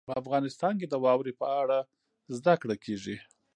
په افغانستان کې د واورې په اړه زده کړه کېږي.